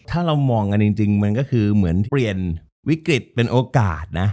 ถ้าเรามองกันจริงมันก็คือเหมือนเปลี่ยนวิกฤตเป็นโอกาสนะ